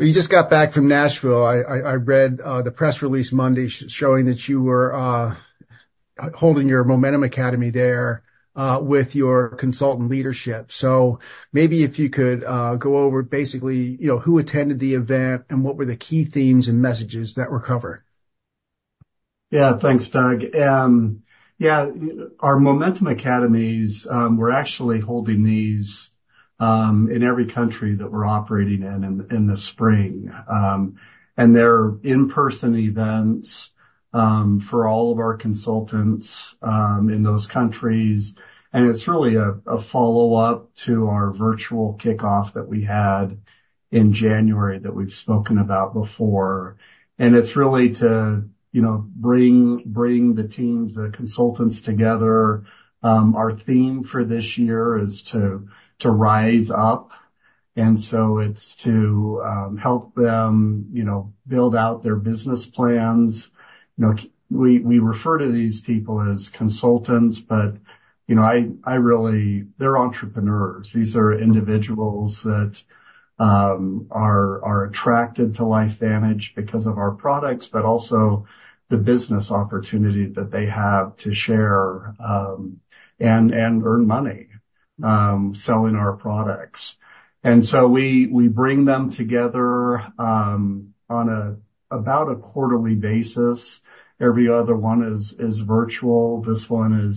You just got back from Nashville. I read the press release Monday showing that you were holding your Momentum Academy there with your consultant leadership. So maybe if you could go over, basically, who attended the event and what were the key themes and messages that were covered? Yeah. Thanks, Doug. Yeah. Our Momentum Academies. We're actually holding these in every country that we're operating in in the spring. They're in-person events for all of our consultants in those countries. It's really a follow-up to our virtual kickoff that we had in January that we've spoken about before. It's really to bring the teams, the consultants together. Our theme for this year is to rise up. So it's to help them build out their business plans. We refer to these people as consultants, but I really they're entrepreneurs. These are individuals that are attracted to LifeVantage because of our products, but also the business opportunity that they have to share and earn money selling our products. So we bring them together on about a quarterly basis. Every other one is virtual. This one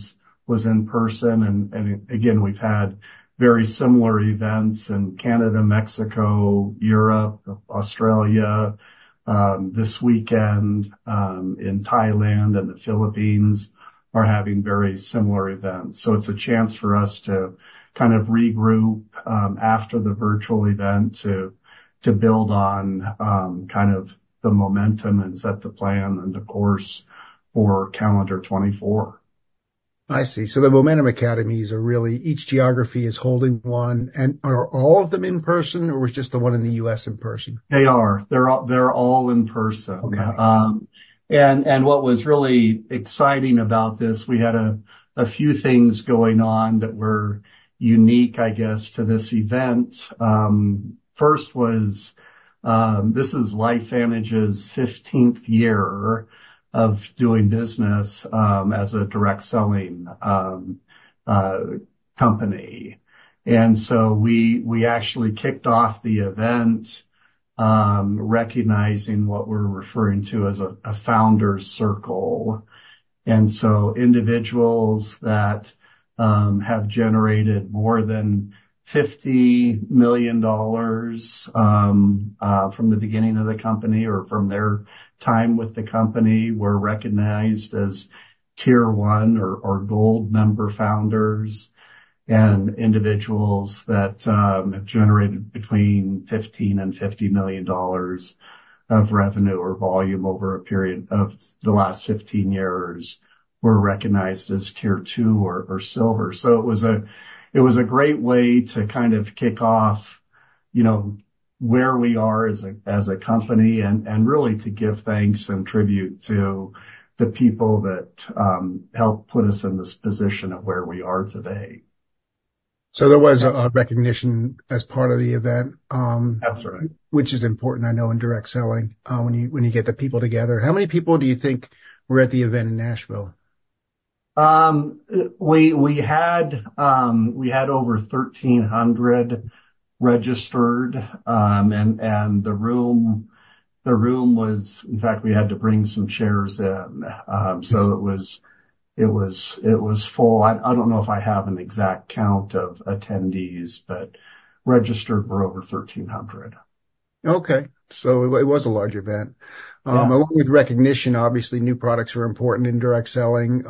was in person. Again, we've had very similar events in Canada, Mexico, Europe, Australia. This weekend in Thailand and the Philippines are having very similar events. It's a chance for us to kind of regroup after the virtual event to build on kind of the momentum and set the plan and the course for calendar 2024. I see. So the Momentum Academies are really each geography is holding one. Are all of them in person, or was just the one in the U.S. in person? They are. They're all in person. And what was really exciting about this, we had a few things going on that were unique, I guess, to this event. First was this is LifeVantage's 15th year of doing business as a direct selling company. And so we actually kicked off the event recognizing what we're referring to as a Founders Circle. And so individuals that have generated more than $50 million from the beginning of the company or from their time with the company were recognized as tier one or gold member founders. And individuals that have generated between $15 million-$50 million of revenue or volume over a period of the last 15 years were recognized as tier two or silver.It was a great way to kind of kick off where we are as a company and really to give thanks and tribute to the people that helped put us in this position of where we are today. So there was a recognition as part of the event, which is important, I know, in direct selling when you get the people together. How many people do you think were at the event in Nashville? We had over 1,300 registered. The room was in fact, we had to bring some chairs in. It was full. I don't know if I have an exact count of attendees, but registered were over 1,300. Okay. So it was a large event. Along with recognition, obviously, new products were important in direct selling.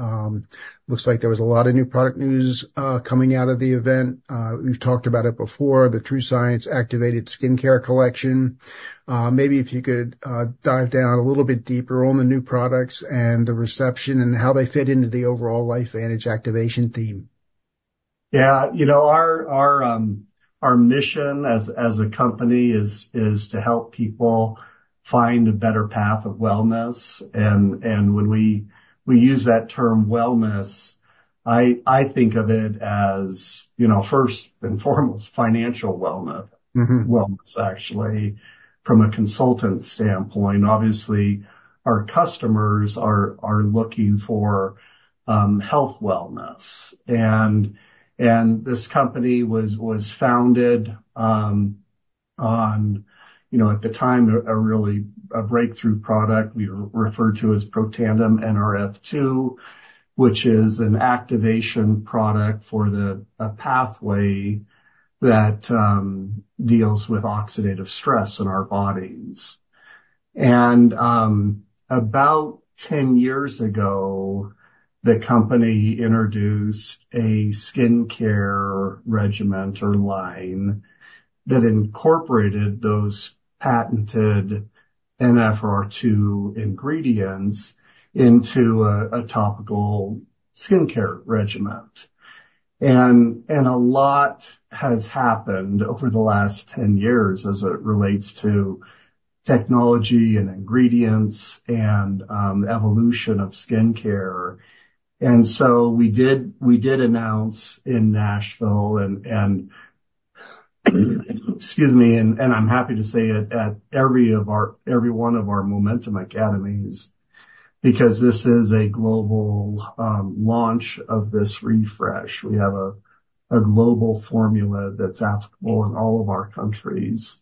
Looks like there was a lot of new product news coming out of the event. We've talked about it before. The TrueScience activated skincare collection. Maybe if you could dive down a little bit deeper on the new products and the reception and how they fit into the overall LifeVantage activation theme. Yeah. Our mission as a company is to help people find a better path of wellness. When we use that term wellness, I think of it as, first and foremost, financial wellness, actually, from a consultant standpoint. Obviously, our customers are looking for health wellness. This company was founded on, at the time, a breakthrough product we refer to as Protandim Nrf2, which is an activation product for a pathway that deals with oxidative stress in our bodies. About 10 years ago, the company introduced a skincare regimen or line that incorporated those patented Nrf2 ingredients into a topical skincare regimen. A lot has happened over the last 10 years as it relates to technology and ingredients and evolution of skincare. We did announce in Nashville and, excuse me, and I'm happy to say at every one of our Momentum Academies because this is a global launch of this refresh. We have a global formula that's applicable in all of our countries,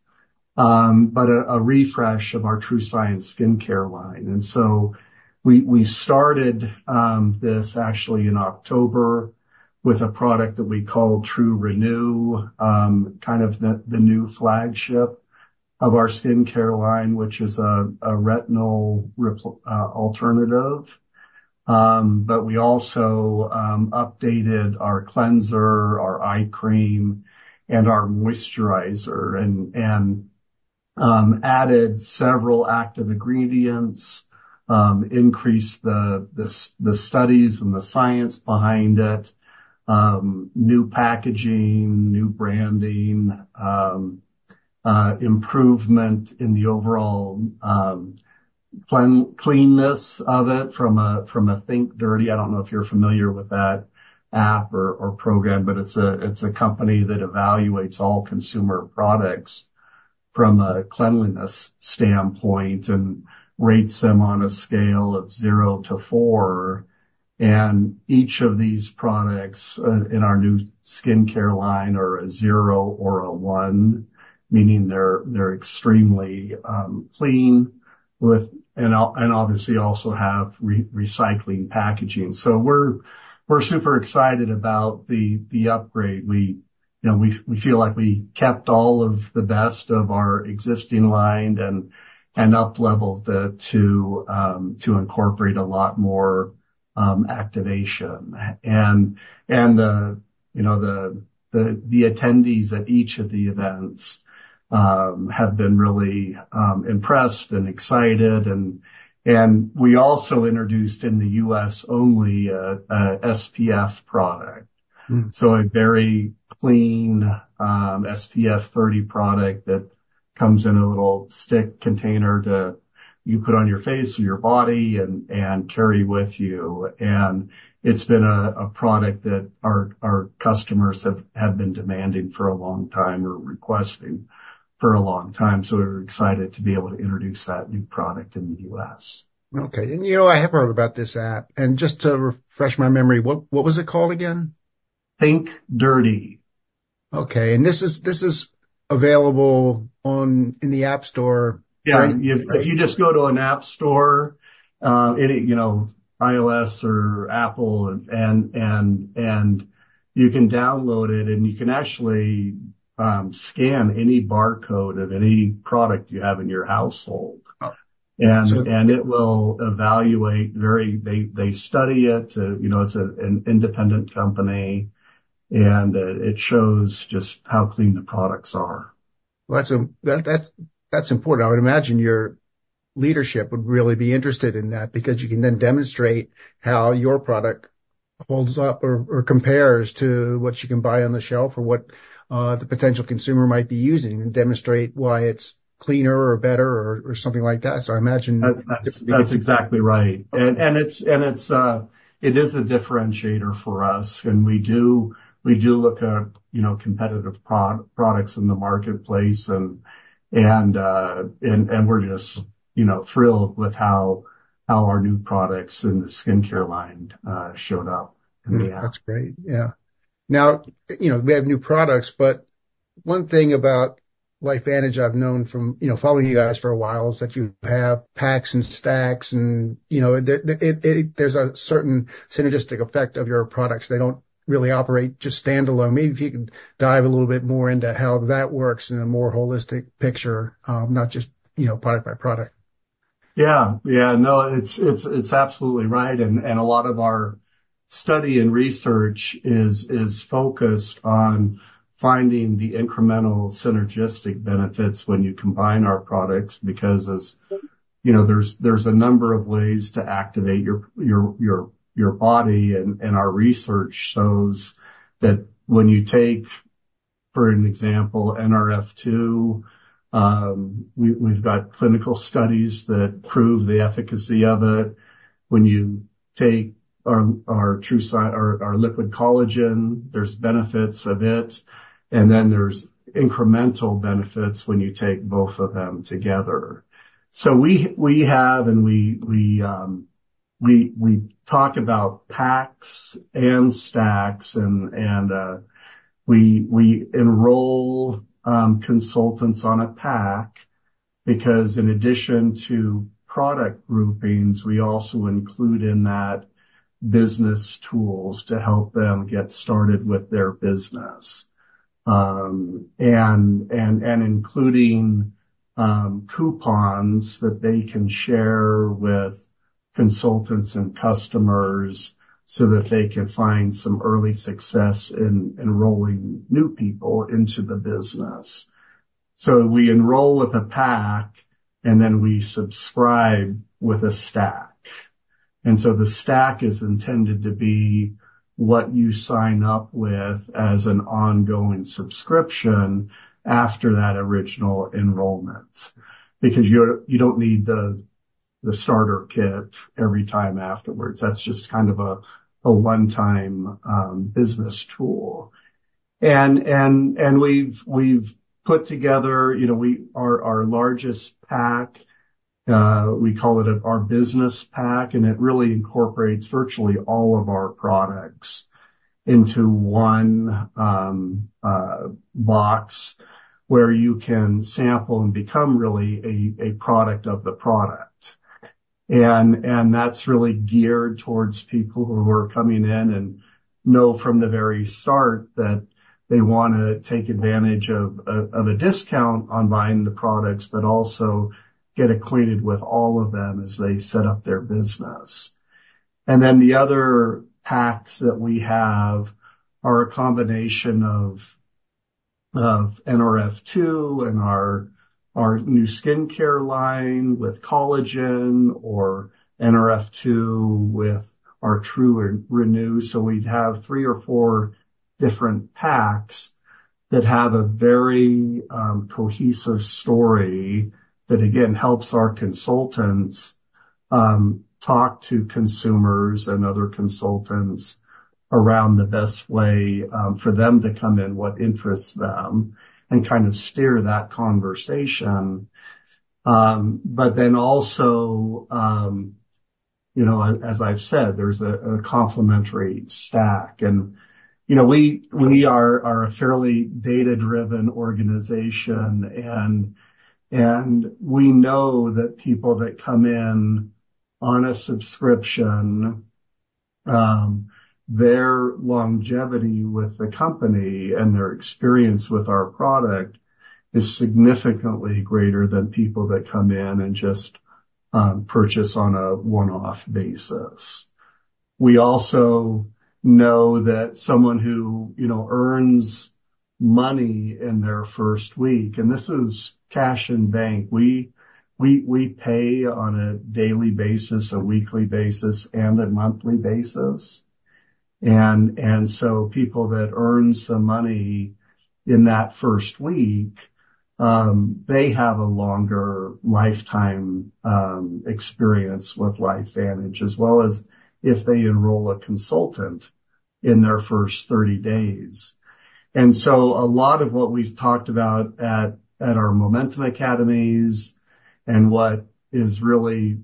but a refresh of our TrueScience skincare line. We started this, actually, in October with a product that we called TrueRenew, kind of the new flagship of our skincare line, which is a retinol alternative. But we also updated our cleanser, our eye cream, and our moisturizer and added several active ingredients, increased the studies and the science behind it, new packaging, new branding, improvement in the overall cleanness of it from a Think Dirty. I don't know if you're familiar with that app or program, but it's a company that evaluates all consumer products from a cleanliness standpoint and rates them on a scale of 0 to 4. And each of these products in our new skincare line are a 0 or a 1, meaning they're extremely clean and obviously also have recycling packaging. So we're super excited about the upgrade. We feel like we kept all of the best of our existing line and upleveled it to incorporate a lot more activation. And the attendees at each of the events have been really impressed and excited. And we also introduced in the U.S. only a SPF product, so a very clean SPF 30 product that comes in a little stick container that you put on your face or your body and carry with you. It's been a product that our customers have been demanding for a long time or requesting for a long time. We were excited to be able to introduce that new product in the U.S. Okay. I have heard about this app. Just to refresh my memory, what was it called again? Think Dirty. Okay. And this is available in the App Store, right? Yeah. If you just go to an App Store, iOS or Apple, and you can download it, and you can actually scan any barcode of any product you have in your household. It will evaluate it. They study it. It's an independent company. It shows just how clean the products are. Well, that's important. I would imagine your leadership would really be interested in that because you can then demonstrate how your product holds up or compares to what you can buy on the shelf or what the potential consumer might be using and demonstrate why it's cleaner or better or something like that. So I imagine. That's exactly right. It is a differentiator for us. We do look at competitive products in the marketplace. We're just thrilled with how our new products in the skincare line showed up in the app. That's great. Yeah. Now, we have new products, but one thing about LifeVantage I've known from following you guys for a while is that you have packs and stacks. And there's a certain synergistic effect of your products. They don't really operate just standalone. Maybe if you could dive a little bit more into how that works in a more holistic picture, not just product by product. Yeah. Yeah. No, it's absolutely right. A lot of our study and research is focused on finding the incremental synergistic benefits when you combine our products because there's a number of ways to activate your body. Our research shows that when you take, for example, NRF2, we've got clinical studies that prove the efficacy of it. When you take our liquid collagen, there's benefits of it. And then there's incremental benefits when you take both of them together. So we have and we talk about packs and stacks. We enroll consultants on a pack because in addition to product groupings, we also include in that business tools to help them get started with their business and including coupons that they can share with consultants and customers so that they can find some early success in enrolling new people into the business. So we enroll with a pack, and then we subscribe with a stack. And so the stack is intended to be what you sign up with as an ongoing subscription after that original enrollment because you don't need the starter kit every time afterwards. That's just kind of a one-time business tool. And we've put together our largest pack. We call it our business pack. And it really incorporates virtually all of our products into one box where you can sample and become really a product of the product. And that's really geared towards people who are coming in and know from the very start that they want to take advantage of a discount on buying the products, but also get acquainted with all of them as they set up their business. And then the other packs that we have are a combination of Nrf2 and our new skincare line with collagen or Nrf2 with our True Renew. So we'd have three or four different packs that have a very cohesive story that, again, helps our consultants talk to consumers and other consultants around the best way for them to come in, what interests them, and kind of steer that conversation. But then also, as I've said, there's a complementary stack. And we are a fairly data-driven organization. And we know that people that come in on a subscription, their longevity with the company and their experience with our product is significantly greater than people that come in and just purchase on a one-off basis. We also know that someone who earns money in their first week and this is cash in bank. We pay on a daily basis, a weekly basis, and a monthly basis. And so people that earn some money in that first week, they have a longer lifetime experience with LifeVantage as well as if they enroll a consultant in their first 30 days. And so a lot of what we've talked about at our Momentum Academies and what is really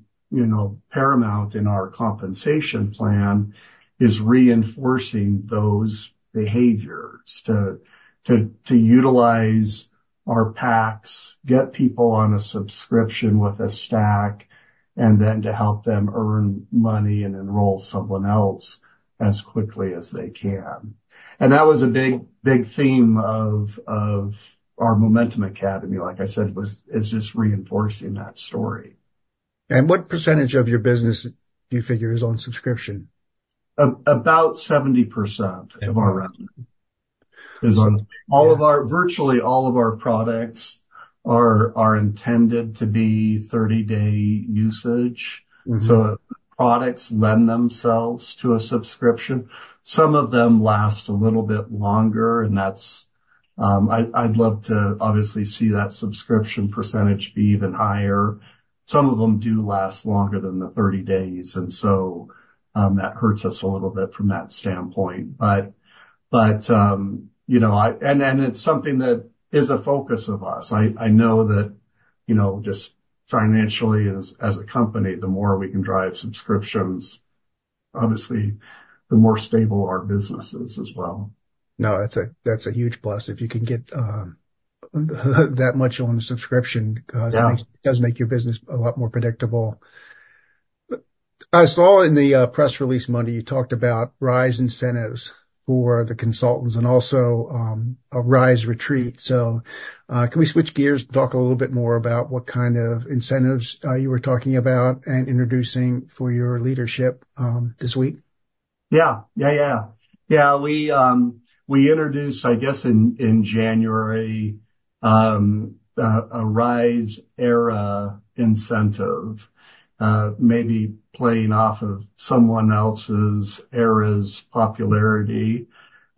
paramount in our compensation plan is reinforcing those behaviors to utilize our packs, get people on a subscription with a stack, and then to help them earn money and enroll someone else as quickly as they can. And that was a big theme of our Momentum Academy. Like I said, it's just reinforcing that story. What percentage of your business do you figure is on subscription? About 70% of our revenue is on all of our. Virtually all of our products are intended to be 30-day usage. So products lend themselves to a subscription. Some of them last a little bit longer. I'd love to obviously see that subscription percentage be even higher. Some of them do last longer than the 30 days. So that hurts us a little bit from that standpoint. But it's something that is a focus of us. I know that just financially as a company, the more we can drive subscriptions, obviously, the more stable our business is as well. No, that's a huge plus. If you can get that much on a subscription, it does make your business a lot more predictable. I saw in the press release Monday, you talked about Rise incentives for the consultants and also a Rise Retreat. So can we switch gears and talk a little bit more about what kind of incentives you were talking about and introducing for your leadership this week? Yeah. Yeah, yeah. Yeah. We introduced, I guess, in January, a Rise ERA incentive, maybe playing off of someone else's ERA's popularity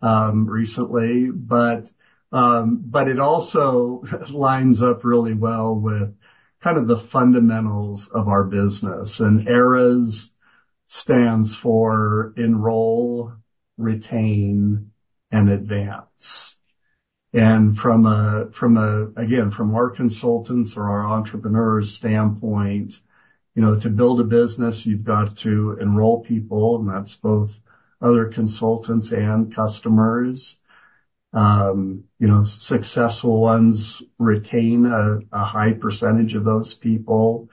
recently. But it also lines up really well with kind of the fundamentals of our business. And ERA stands for Enroll, Retain, and Advance. And again, from our consultants or our entrepreneurs' standpoint, to build a business, you've got to enroll people. And that's both other consultants and customers. Successful ones retain a high percentage of those people.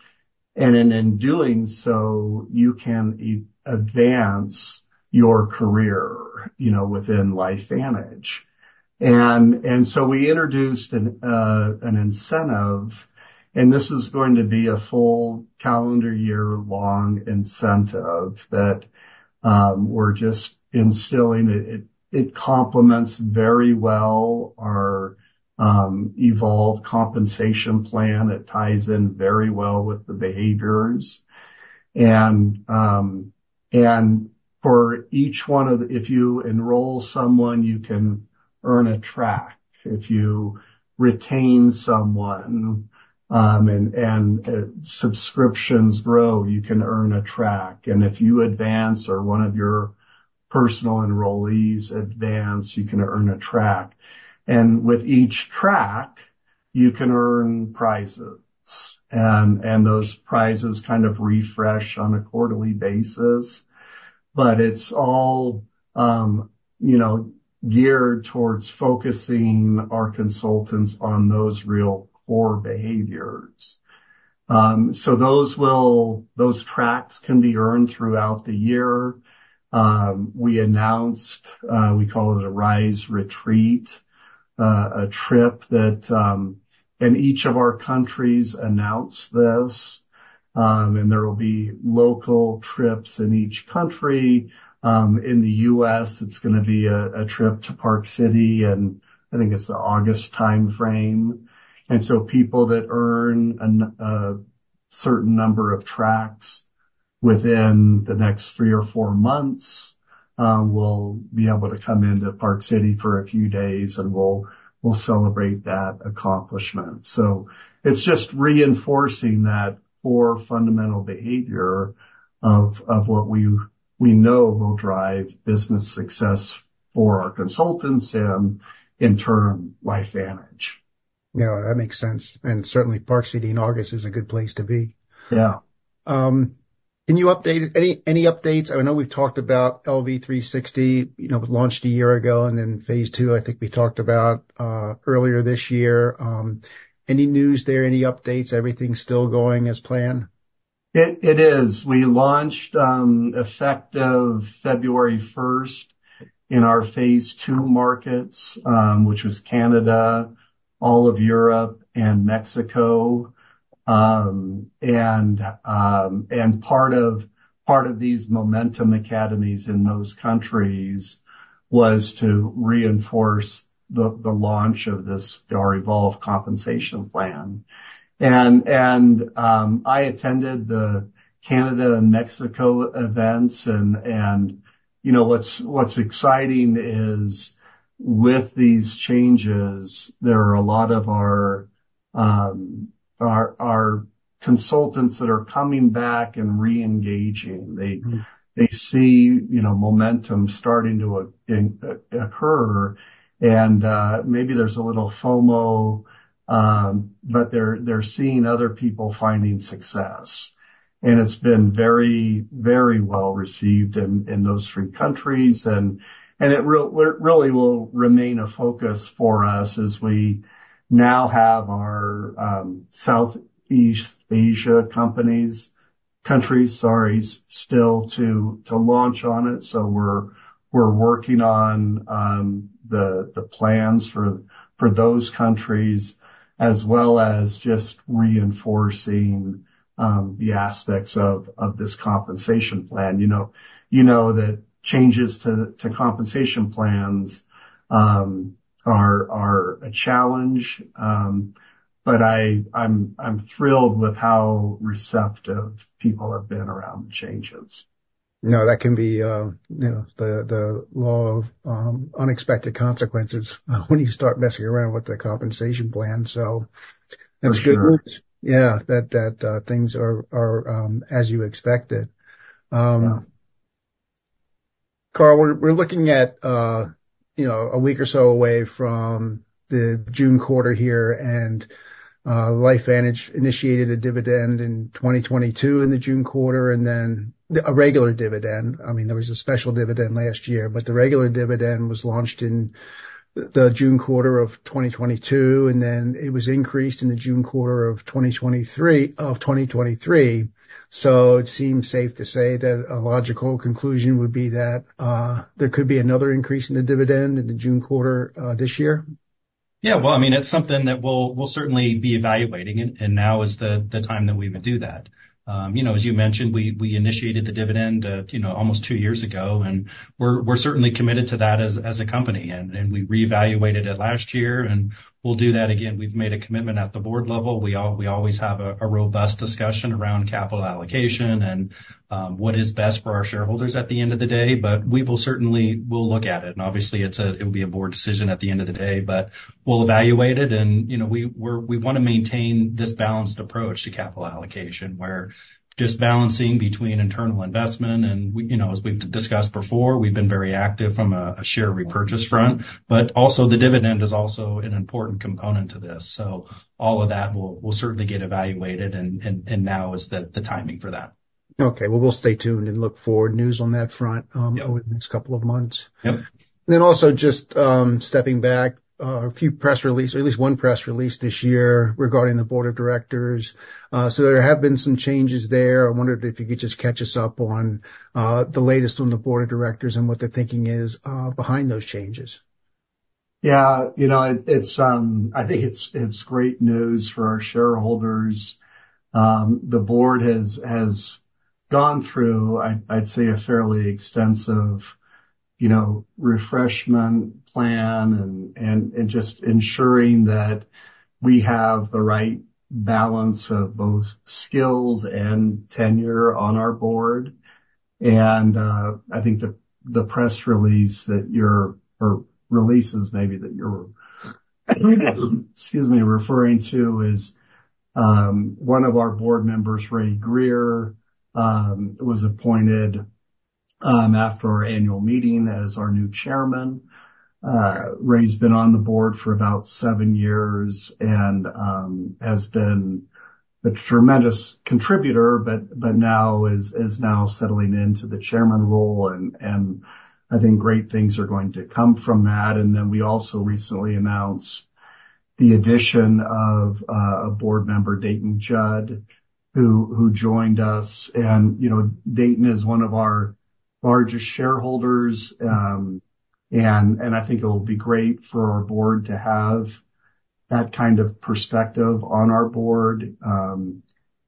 And in doing so, you can advance your career within LifeVantage. And so we introduced an incentive. And this is going to be a full calendar year-long incentive that we're just instilling. It complements very well our Evolve Compensation Plan. It ties in very well with the behaviors. And for each one of the if you enroll someone, you can earn a track. If you retain someone and subscriptions grow, you can earn a track. And if you advance or one of your personal enrollees advance, you can earn a track. And with each track, you can earn prizes. And those prizes kind of refresh on a quarterly basis. But it's all geared towards focusing our consultants on those real core behaviors. So those tracks can be earned throughout the year. We announced we call it a Rise Retreat, a trip that and each of our countries announce this. And there will be local trips in each country. In the U.S., it's going to be a trip to Park City. And I think it's the August timeframe. And so people that earn a certain number of tracks within the next three or four months will be able to come into Park City for a few days, and we'll celebrate that accomplishment. It's just reinforcing that core fundamental behavior of what we know will drive business success for our consultants and, in turn, LifeVantage. No, that makes sense. Certainly, Park City in August is a good place to be. Yeah. Can you update any updates? I know we've talked about LV360 launched a year ago, and then phase two, I think we talked about earlier this year. Any news there, any updates? Everything still going as planned? It is. We launched effective February 1st in our Phase 2 markets, which was Canada, all of Europe, and Mexico. Part of these Momentum Academies in those countries was to reinforce the launch of our Evolve Compensation Plan. I attended the Canada and Mexico events. What's exciting is with these changes, there are a lot of our consultants that are coming back and reengaging. They see momentum starting to occur. Maybe there's a little FOMO, but they're seeing other people finding success. It's been very, very well received in those three countries. It really will remain a focus for us as we now have our Southeast Asia countries still to launch on it. We're working on the plans for those countries as well as just reinforcing the aspects of this compensation plan. You know that changes to compensation plans are a challenge. But I'm thrilled with how receptive people have been around the changes. No, that can be the law of unexpected consequences when you start messing around with the compensation plan. So that's good news. Yeah, that things are as you expected. Carl, we're looking at a week or so away from the June quarter here. And LifeVantage initiated a dividend in 2022 in the June quarter and then a regular dividend. I mean, there was a special dividend last year, but the regular dividend was launched in the June quarter of 2022. And then it was increased in the June quarter of 2023. So it seems safe to say that a logical conclusion would be that there could be another increase in the dividend in the June quarter this year? Yeah. Well, I mean, it's something that we'll certainly be evaluating. Now is the time that we would do that. As you mentioned, we initiated the dividend almost 2 years ago. We're certainly committed to that as a company. We reevaluated it last year. We'll do that again. We've made a commitment at the board level. We always have a robust discussion around capital allocation and what is best for our shareholders at the end of the day. But we will certainly look at it. Obviously, it will be a board decision at the end of the day. We'll evaluate it. We want to maintain this balanced approach to capital allocation where just balancing between internal investment. As we've discussed before, we've been very active from a share repurchase front. But also, the dividend is also an important component to this. All of that will certainly get evaluated. Now is the timing for that. Okay. Well, we'll stay tuned and look forward to news on that front over the next couple of months. And then also just stepping back, a few press releases, or at least one press release this year regarding the board of directors. So there have been some changes there. I wondered if you could just catch us up on the latest on the board of directors and what their thinking is behind those changes. Yeah. I think it's great news for our shareholders. The board has gone through, I'd say, a fairly extensive refreshment plan and just ensuring that we have the right balance of both skills and tenure on our board. I think the press release or releases, maybe, that you're referring to is one of our board members, Ray Greer, was appointed after our annual meeting as our new chairman. Ray's been on the board for about seven years and has been a tremendous contributor, but now is settling into the chairman role. I think great things are going to come from that. Then we also recently announced the addition of a board member, Dayton Judd, who joined us. Dayton is one of our largest shareholders. I think it will be great for our board to have that kind of perspective on our board.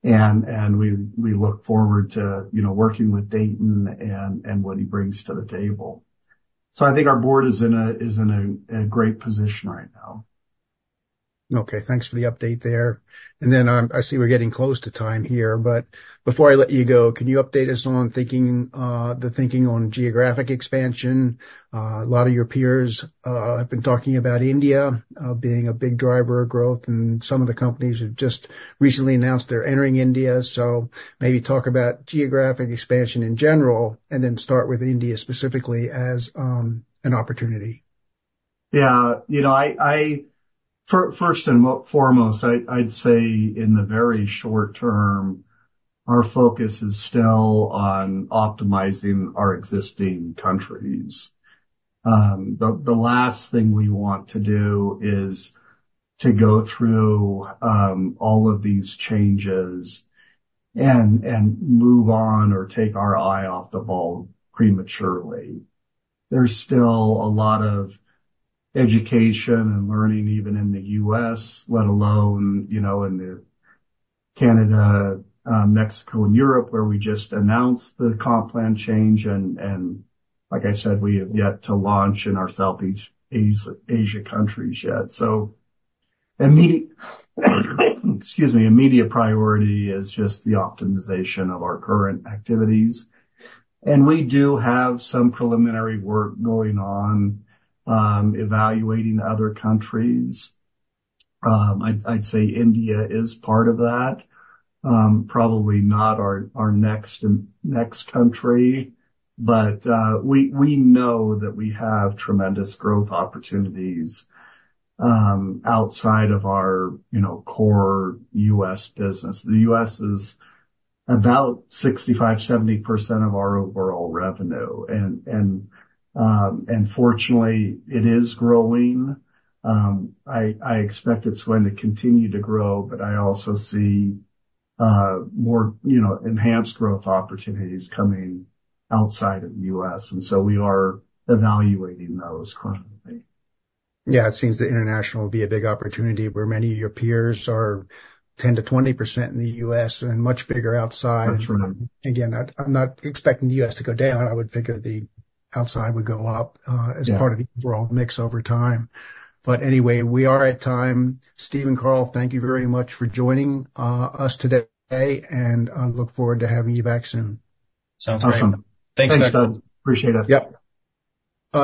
We look forward to working with Dayton and what he brings to the table. I think our board is in a great position right now. Okay. Thanks for the update there. And then I see we're getting close to time here. But before I let you go, can you update us on the thinking on geographic expansion? A lot of your peers have been talking about India being a big driver of growth. And some of the companies have just recently announced they're entering India. So maybe talk about geographic expansion in general and then start with India specifically as an opportunity. Yeah. First and foremost, I'd say in the very short term, our focus is still on optimizing our existing countries. The last thing we want to do is to go through all of these changes and move on or take our eye off the ball prematurely. There's still a lot of education and learning, even in the U.S., let alone in Canada, Mexico, and Europe, where we just announced the comp plan change. And like I said, we have yet to launch in our Southeast Asia countries yet. So excuse me, immediate priority is just the optimization of our current activities. And we do have some preliminary work going on evaluating other countries. I'd say India is part of that, probably not our next country. But we know that we have tremendous growth opportunities outside of our core U.S. business. The U.S. is about 65%-70% of our overall revenue. Fortunately, it is growing. I expect it's going to continue to grow. But I also see more enhanced growth opportunities coming outside of the U.S. So we are evaluating those continuously. Yeah. It seems that international will be a big opportunity where many of your peers are 10%-20% in the U.S. and much bigger outside. And again, I'm not expecting the U.S. to go down. I would figure the outside would go up as part of the overall mix over time. But anyway, we are at time. Steve and Carl, thank you very much for joining us today. And I look forward to having you back soon. Sounds great. Awesome. Thanks, Doug. Thanks, Doug. Appreciate it. Yep.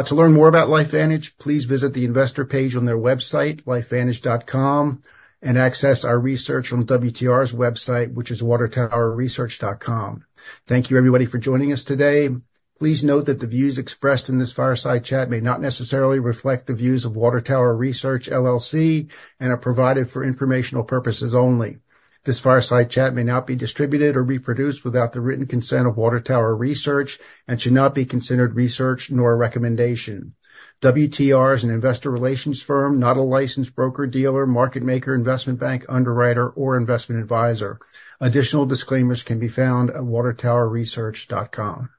To learn more about LifeVantage, please visit the investor page on their website, lifevantage.com, and access our research on WTR's website, which is watertowerresearch.com. Thank you, everybody, for joining us today. Please note that the views expressed in this fireside chat may not necessarily reflect the views of Water Tower Research, LLC, and are provided for informational purposes only. This fireside chat may not be distributed or reproduced without the written consent of Water Tower Research and should not be considered research nor a recommendation. WTR is an investor relations firm, not a licensed broker, dealer, market maker, investment bank underwriter, or investment advisor. Additional disclaimers can be found at watertowerresearch.com.